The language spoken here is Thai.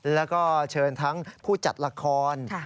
แล้วก็เชิญทั้งผู้จัดละคร